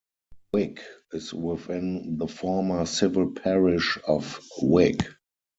Wick is within the former civil parish of Wick.